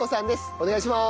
お願いします！